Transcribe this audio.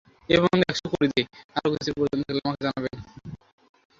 আরও কিছুর প্রয়োজন থাকলে, আমাকে জানাবেন।